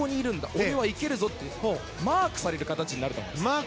俺はいけるぞってマークされる形になると思います。